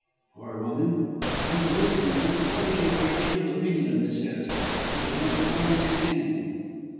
"Poor woman. By the way, Colonel, what was your wife's real opinion of Miss Hest? I could never quite understand."